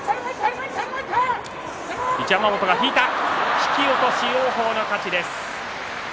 引き落とし王鵬の勝ちです。